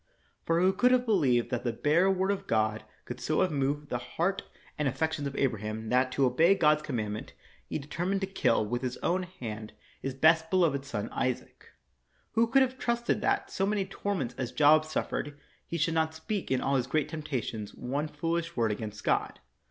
For who could have believed that the bare word of God could so have moved the heart and 24 KNOX affections of Abraham that, to obey God's com mandment, he determined to kill, with his own hand, his best beloved son Isaac ? Who could have trusted that, so many torments as Job suffered, he should not speak in all his great temptations one foolish word against God